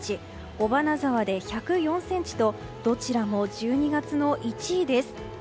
尾花沢で１０４ｃｍとどちらも１２月の１位です。